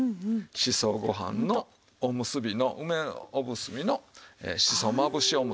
しそご飯のおむすびの梅おむすびのしそまぶしおむすびです。